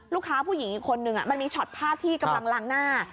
ผู้หญิงอีกคนนึงมันมีช็อตภาพที่กำลังล้างหน้า